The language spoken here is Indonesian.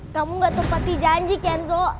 kamu gak tepat di janji kenzo